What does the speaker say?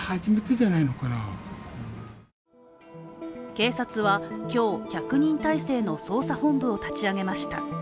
警察は今日、１００人態勢の捜査本部を立ち上げました。